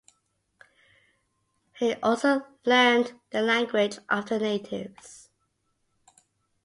He also learned the language of the natives.